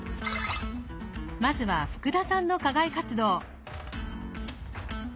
まずは福田さんの課外活動。